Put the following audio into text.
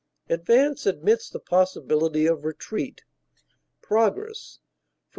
Advance admits the possibility of retreat; progress (L.